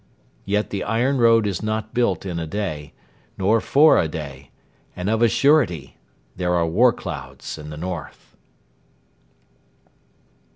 Yet the iron road is not built in a day, nor for a day, and of a surety there are war clouds in the north.